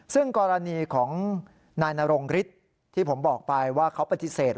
ซึ่งกรณีของนายนรงฤทธิ์ที่ผมบอกไปว่าเขาปฏิเสธ